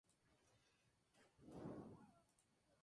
A cada regimiento dio una insignia y con nombre propio.